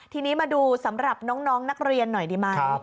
ทีนี้มาดูสำหรับน้องนักเรียนหน่อยดีไหม